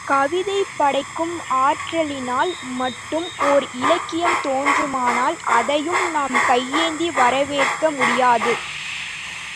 கவிதை படைக்கும் ஆற்றலினால் மட்டும் ஓர் இலக்கியம் தோன்றுமானால் அதையும் நாம் கையேந்தி வரவேற்க முடியாது.